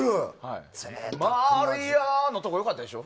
マーリアー！のところ良かったでしょ。